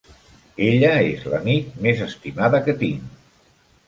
Ella és l'amic més estimada que tinc!